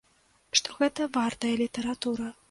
Што гэта вартая літаратура.